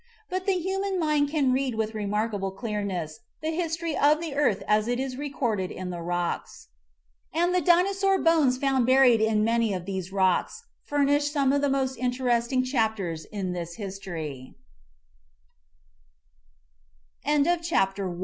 But the human mind can read with remarkable clearness the history of the earth as it is recorded in the rocks. And the Dinosaur bones found buried in many of these rocks furnish some of the most interesting chapters in this his